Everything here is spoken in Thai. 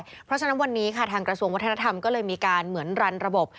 เพราะฉะนั้นวันนี้ค่ะทางกระทรวงวัฒนธรรมก็เลยมีการเหมือนรันระบบ